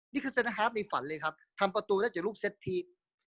นี่คือเซ็นเตอร์ฮัฟในฝันเลยครับทำประตูได้จากลูกเซ็นต์พีม